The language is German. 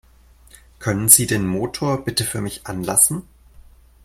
Können Sie den Motor bitte für mich anlassen?